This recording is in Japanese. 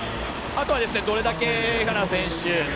あとは、どれだけ江原選手